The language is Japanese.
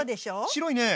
白いね！